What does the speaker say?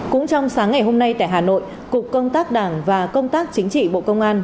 cũng trong sáng ngày hôm nay tại hà nội cục công tác đảng và công tác chính trị bộ công an